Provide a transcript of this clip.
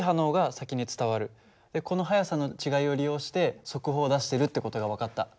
この速さの違いを利用して速報を出してるって事が分かった。